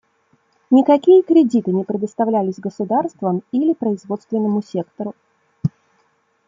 Никакие кредиты не предоставлялись государствам или производственному сектору.